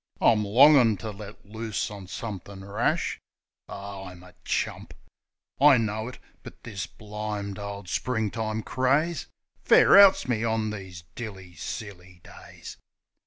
I'm longin' to let loose on somethin' rash. .. Aw, I'm a chump I I know it; but this blimed ole Springtime craze Fair outs me, on these dilly, silly days.